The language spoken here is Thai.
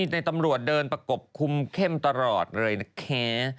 ในตำรวจเดินประกบคุมเข้มตลอดเลยนะคะ